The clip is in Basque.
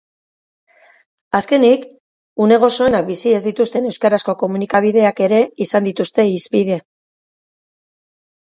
Azkenik, une gozoenak bizi ez dituzten euskarazko komunikabideak ere izan dituzte hizpide.